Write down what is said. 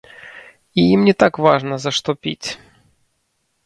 І ім не так важна за што піць.